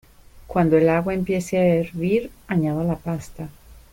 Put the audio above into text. Cuando el agua empiece a hervir añada la pasta.